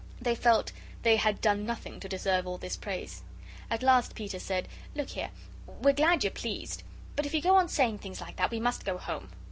They felt they had done nothing to deserve all this praise. At last Peter said: "Look here, we're glad you're pleased. But if you go on saying things like that, we must go home.